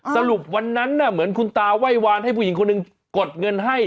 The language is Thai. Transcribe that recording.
สรุปวันนั้นเหมือนคุณตาไหว้วานให้ผู้หญิงคนหนึ่งกดเงินให้